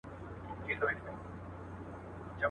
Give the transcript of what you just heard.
د اوښکو تر ګرېوانه به مي خپله لیلا راسي.